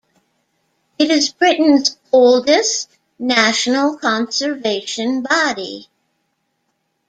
It is Britain's oldest national conservation body.